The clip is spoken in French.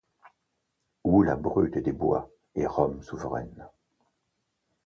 Où la brute des bois et Rome souveraine